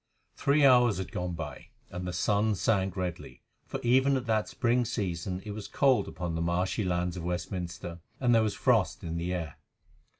Three hours had gone by, and the sun sank redly, for even at that spring season it was cold upon the marshy lands of Westminster, and there was frost in the air.